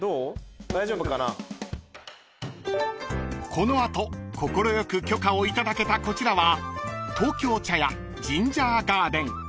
［この後快く許可を頂けたこちらは］